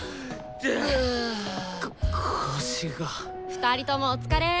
２人ともお疲れ！